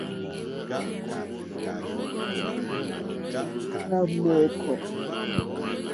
Nà hwenì mohvemba mɔ̀kɔ.